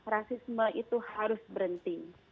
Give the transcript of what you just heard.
rasisme itu harus berhenti